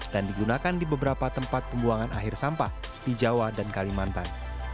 dan digunakan di beberapa tempat pembuangan air sampah di jawa dan kalimantan